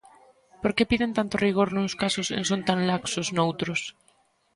¿Por que piden tanto rigor nuns casos e son tan laxos noutros?